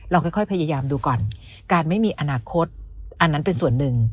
ค่อยพยายามดูก่อนการไม่มีอนาคตอันนั้นเป็นส่วนหนึ่ง